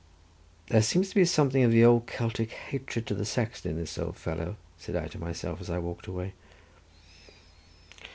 "There seems to be something of the old Celtic hatred to the Saxon in this old fellow," said I to myself, as I walked away.